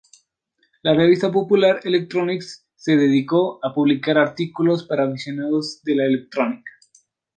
La revista "Popular Electronics" se dedicó a publicar artículos para aficionados de la electrónica.